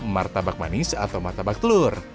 martabak manis atau martabak telur